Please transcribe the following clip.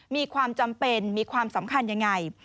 มีความจำเป็นมีความสำคัญยังไง